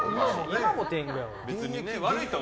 今も天狗やわ。